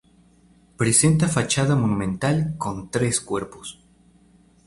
Presenta fachada monumental con tres cuerpos.